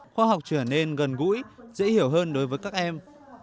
khoa học trở nên gần gũi dễ hiểu hơn đối với các em